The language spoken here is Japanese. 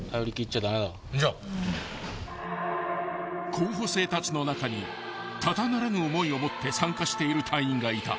［候補生たちの中にただならぬ思いを持って参加している隊員がいた］